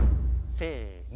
せの。